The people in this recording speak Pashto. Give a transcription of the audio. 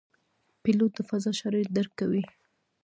پیلوټ د فضا شرایط درک کوي.